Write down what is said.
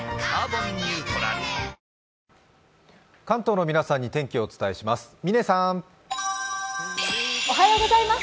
関東の皆さんに天気をお伝えします。